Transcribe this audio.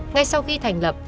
ngay sau khi thành lập